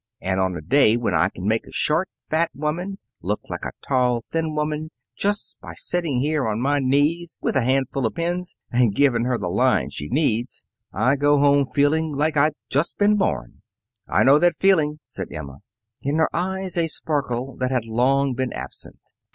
And on a day when I can make a short, fat woman look like a tall, thin woman, just by sitting here on my knees with a handful of pins, and giving her the line she needs, I go home feeling like I'd just been born." "I know that feeling," said Emma, in her eyes a sparkle that had long been absent.